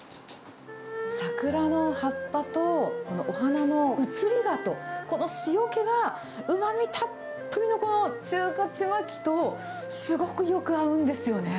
桜の葉っぱと、このお花の移り香と、この塩気が、うまみたっぷりの、この中華ちまきと、すごくよく合うんですよね。